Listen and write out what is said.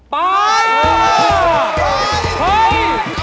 ภรรยาปศาสตร์เรือมสมภพ